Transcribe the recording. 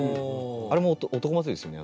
あれも「男祭り」ですよね？